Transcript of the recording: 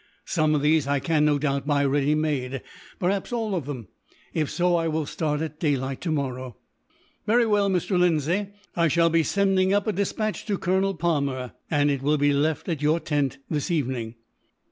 Some of these I can, no doubt, buy ready made perhaps all of them. If so, I will start at daylight, tomorrow." "Very well, Mr. Lindsay. I shall be sending up a despatch to Colonel Palmer, and it will be left at your tent, this evening."